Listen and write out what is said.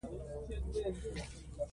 په افغانستان کې د د بولان پټي منابع شته.